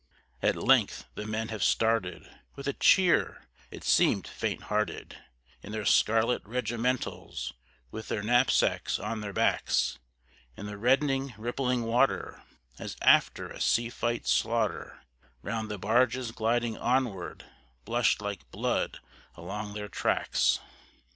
At length the men have started, with a cheer (it seemed faint hearted), In their scarlet regimentals, with their knapsacks on their backs, And the reddening, rippling water, as after a sea fight's slaughter, Round the barges gliding onward blushed like blood along their tracks.